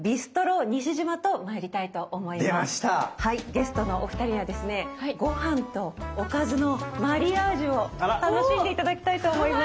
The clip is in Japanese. ゲストのお二人にはですねご飯とおかずのマリアージュを楽しんで頂きたいと思います。